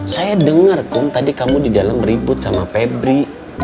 saya dengar kum tadi kamu di dalam ribut sama pebri